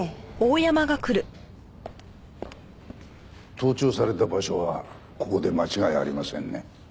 盗聴された場所はここで間違いありませんね。